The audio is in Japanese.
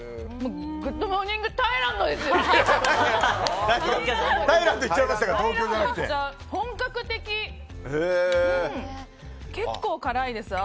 グッドモーニングタイランドですよ！